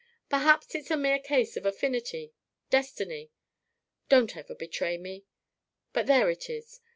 Perhaps it's a mere case of affinity, destiny don't ever betray me. But there it is.